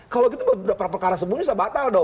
kalau gitu beberapa perkara sembunyi sudah batal